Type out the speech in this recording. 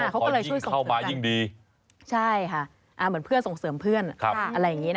เขาก็เลยช่วยส่งเสริมกันเหมือนเพื่อนส่งเสริมเพื่อน